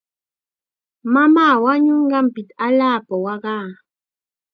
Mamaa wañunqanpita allaapam waqaa.